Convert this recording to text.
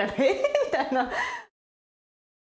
みたいな。